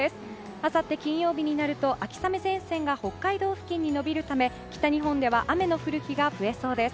あさって金曜日になると秋雨前線が北海道付近に延びるため北日本では雨の降る日が増えそうです。